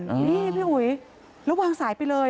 นี่พี่อุ๋ยแล้ววางสายไปเลย